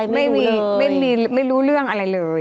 ไม่รู้เรื่องอะไรเลย